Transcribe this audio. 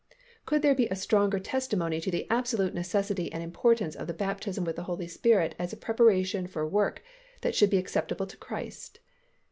Could there be a stronger testimony to the absolute necessity and importance of the baptism with the Holy Spirit as a preparation for work that should be acceptable to Christ?